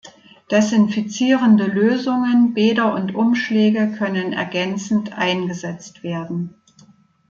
Desinfizierende Lösungen, Bäder und Umschläge können ergänzend eingesetzt werden.